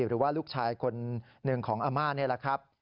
หรือว่าลูกชายคนหนึ่งของอาม่านี่แหละครับ